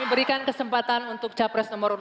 berikan kesempatan untuk capres nomor